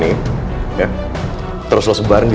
aku mau pergi